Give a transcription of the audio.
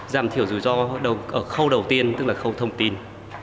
giảm thiểu dự do ở khâu đầu tiên tức là khâu thông tin